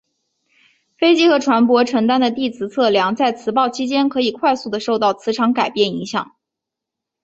飞机和船舶承担的地磁测量在磁暴期间可以快速的受到磁场改变影响。